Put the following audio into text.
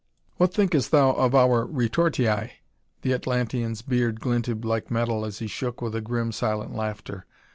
"What thinkest thou of our retortii?" The Atlantean's beard glinted like metal as he shook with a grim, silent laughter.